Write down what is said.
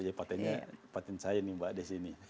jadi patent saya yang dibawa di sini